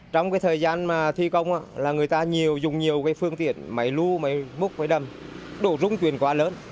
trong thời gian thi công người ta dùng nhiều phương tiện máy lưu máy múc máy đầm đổ rung chuyển quá lớn